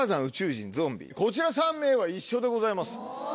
人ゾンビこちら３名は一緒でございます。